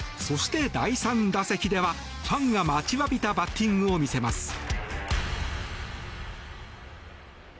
そして、第３打席ではファンが待ちわびたバッティングを見せます。